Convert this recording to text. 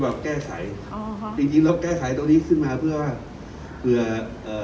รอบรสอบแก้ไขตัวเนี้ยใช่ค่ะจริงแล้วก็แก้ไขตัวนี้ขึ้นมาเพื่อเผื่อเอ่อ